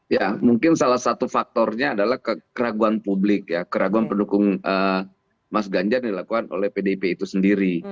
ya mungkin salah satu faktornya adalah keraguan publik ya keraguan pendukung mas ganjar yang dilakukan oleh pdip itu sendiri